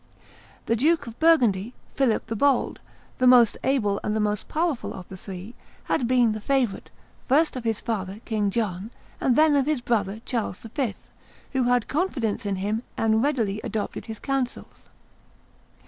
The Duke of Burgundy, Philip the Bold, the most able and the most powerful of the three, had been the favorite, first of his father, King John, and then of his brother, Charles V., who had confidence in him and readily adopted his counsels.